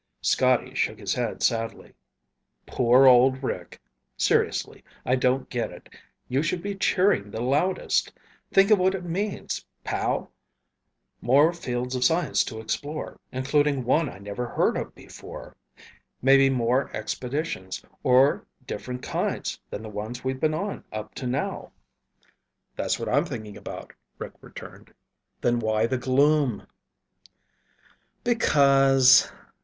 Scotty shook his head sadly. "Poor old Rick. Seriously, I don't get it. You should be cheering the loudest. Think of what it means, pal! More fields of science to explore, including one I never heard of before. Maybe more expeditions, of different kinds than the ones we've been on up to now." "That's what I'm thinking about," Rick returned. "Then why the gloom?" "Because..."